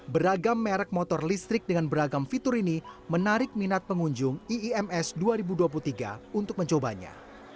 beragam merek motor listrik dengan beragam fitur ini menarik minat pengunjung iims dua ribu dua puluh tiga untuk mencobanya